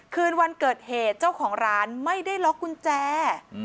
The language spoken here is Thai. คืนวันเกิดเหตุเจ้าของร้านไม่ได้ล็อกกุญแจ